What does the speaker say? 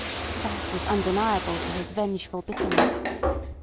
That was undeniable to his vengeful bitterness.